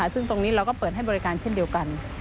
ซึ่งตรงนี้เราก็เปิดให้บริการเช่นเดียวกัน